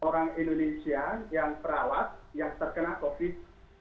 orang indonesia yang perawat yang terkena covid sembilan belas